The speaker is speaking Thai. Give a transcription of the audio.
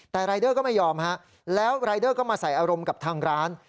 แต่รายเดอร์ก็ไม่ยอมฮะแล้วรายเดอร์ก็มาใส่อารมณ์กับทางร้าน